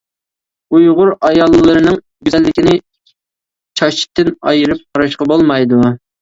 ئۇيغۇر ئاياللىرىنىڭ گۈزەللىكىنى چاچتىن ئايرىپ قاراشقا بولمايدۇ.